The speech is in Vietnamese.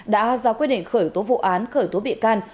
đã ra quyết định khởi tố vụ án khởi tố bị can